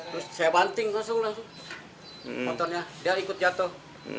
terus saya banting langsung langsung motornya dia ikut jatuh